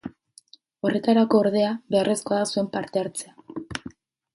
Horretarako, ordea, beharrezkoa da zuen parte-hartzea.